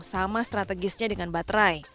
sama strategisnya dengan baterai